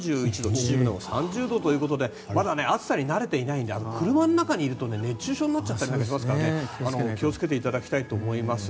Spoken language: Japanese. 秩父でも３０度ということでまだ暑さに慣れていないので車の中にいると熱中症になっちゃったりしますから気を付けていただきたいと思います。